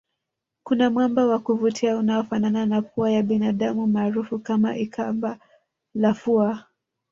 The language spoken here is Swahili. Kuna mwamba wa kuvutia unaofanana na pua ya binadamu maarufu kama ikamba la fua